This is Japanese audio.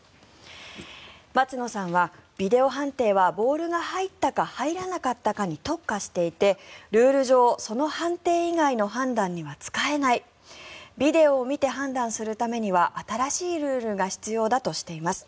松野さんは、ビデオ判定はボールが入ったか入らなかったかに特化していてルール上、その判定以外の判断には使えないビデオを見て判断するためには新しいルールが必要だとしています。